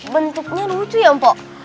bentuknya lucu ya mpok